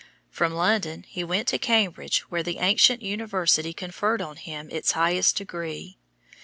From London he went to Cambridge where the ancient university conferred on him its highest degree.